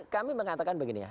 kami mengatakan begini ya